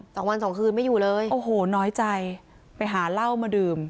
สองวันสองคืนไม่อยู่เลยโอ้โหน้อยใจไปหาเหล้ามาดื่ม